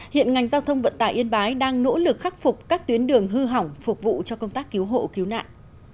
hiện ngành giao thông vận tải yên bái đang nỗ lực khắc phục các tuyến đường hư hỏng phục vụ cho công tác cứu hộ cứu nạn